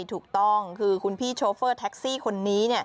ถูกต้องคือคุณพี่โชเฟอร์แท็กซี่คนนี้